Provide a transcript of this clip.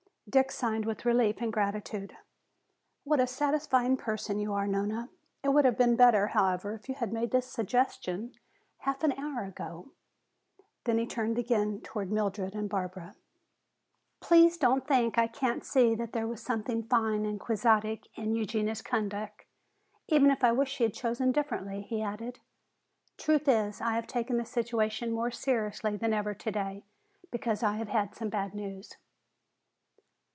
Dick sighed with relief and gratitude. "What a satisfying person you are, Nona! It would have been better, however, if you had made this suggestion half an hour ago." Then he turned again toward Mildred and Barbara. "Please don't think I can't see that there was something fine and quixotic in Eugenia's conduct, even if I wish she had chosen differently," he added. "Truth is, I have taken the situation more seriously than ever today because I have had bad news."